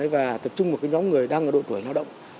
và tập trung vào cái nhóm người đang ở độ tuổi lao động